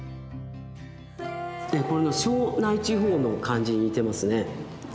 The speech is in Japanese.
庄内地方の感じに似てますね。